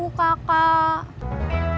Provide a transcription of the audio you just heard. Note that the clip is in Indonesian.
untuk mendapatkan informasi terbaru